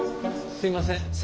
すいません。